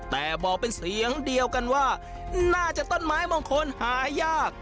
แต่บอกเป็นเสียงเดียวกันว่าน่าจะต้นไม้มงคลหายาก